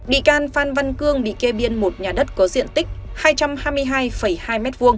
bị can phan văn cương bị kê biên một nhà đất có diện tích hai trăm hai mươi hai hai m hai